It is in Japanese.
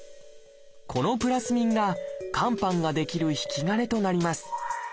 このプラスミンが肝斑が出来る引き金となります。